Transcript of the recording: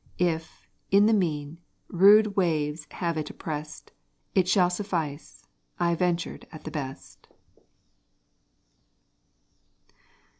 If, in the mean, rude waves have it opprest, It shall suffice, I ventured at the best.